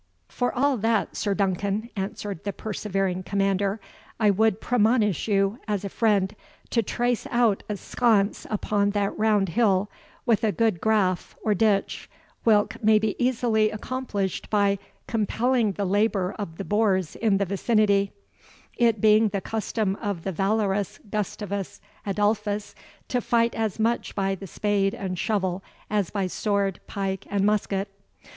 "For all that, Sir Duncan," answered the persevering commander, "I would premonish you, as a friend, to trace out a sconce upon that round hill, with a good graffe, or ditch, whilk may be easily accomplished by compelling the labour of the boors in the vicinity; it being the custom of the valorous Gustavus Adolphus to fight as much by the spade and shovel, as by sword, pike, and musket.